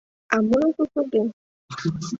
— А можо сусырген?